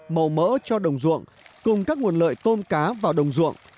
màu mỡ cho đồng ruộng cùng các nguồn lợi tôm cá vào đồng ruộng